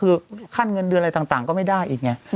คือขั้นเงินเดือนอะไรต่างก็ไม่ได้อีกไง